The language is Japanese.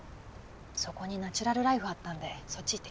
そこにナチュラルライフあったんでそっち行ってきました。